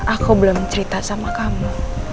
aku belum cerita sama kamu